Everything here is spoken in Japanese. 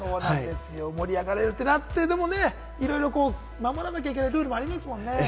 盛り上がれるとなって、守らなきゃいけないルールもありますもんね。